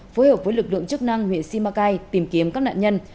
phối hợp với lực lượng chức năng huyện simacai tìm kiếm các nạn nhân